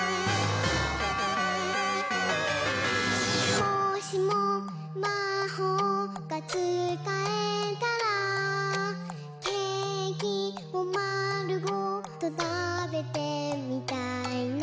「もしもまほうがつかえたら」「ケーキをまるごとたべてみたいな」